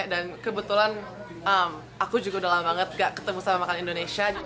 dan kebetulan aku juga udah lama banget gak ketemu sama makan indonesia